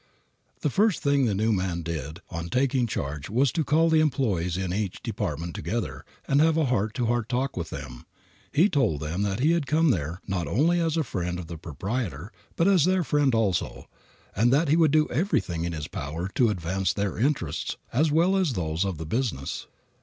The first thing the new man did on taking charge was to call the employees in each department together and have a heart to heart talk with them. He told them that he had come there not only as a friend of the proprietor, but as their friend also, and that he would do everything in his power to advance their interests as well as those of the business.